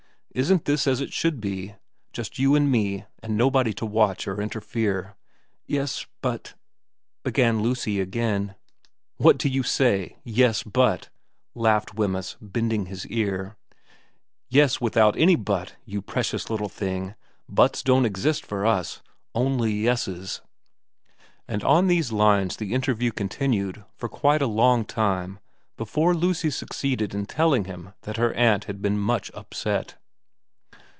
' Isn't this as it should be ? Just you and me, and nobody to watch or interfere ?'' Yes, but ' began Lucy again. ' What do you say ?" Yes, but ?"' laughed Wemyss, bending his ear. ' Yes without any but, you precious little thing. Buts don't exist for us only yeses.' And on these lines the interview continued for quite a long time before Lucy succeeded in telling him that her aunt had been much upset.